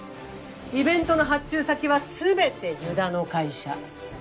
イベントの発注先は全て遊田の会社。